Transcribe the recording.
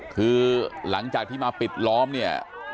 คือหลังจากที่มาปิดล้อมเนี่ย